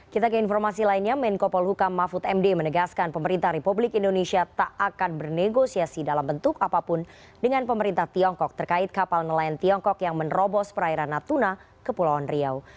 kita ke informasi lainnya menko polhukam mahfud md menegaskan pemerintah republik indonesia tak akan bernegosiasi dalam bentuk apapun dengan pemerintah tiongkok terkait kapal nelayan tiongkok yang menerobos perairan natuna kepulauan riau